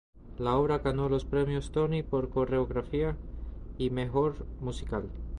La obra ganó los Premios Tony por coreografía y mejor musical.